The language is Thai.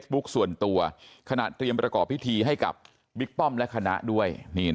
ส่วนตัวขณะเตรียมประกอบพิธีให้กับบิ๊กป้อมและคณะด้วย